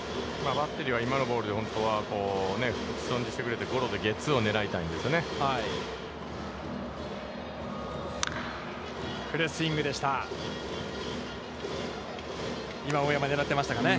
バッテリーは今のボールで本当は打ち損じしてくれて、ゴロでゲッツーを狙いたいんですね。